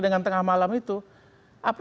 dengan tengah malam itu apa